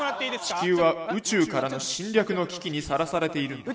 「地球は宇宙からの侵略の危機にさらされているんだ」。